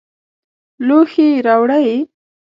لوښي راوړئ